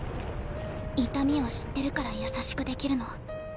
痛みを知ってるから優しくできるの。